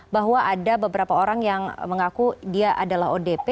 bahwa ada beberapa orang yang mengaku dia adalah odp